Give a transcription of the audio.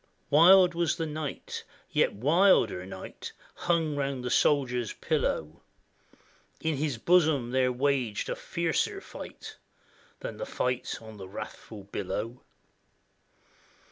] Wild was the night, yet a wilder night Hung round the soldier's pillow; In his bosom there waged a fiercer fight Than the fight on the wrathful billow.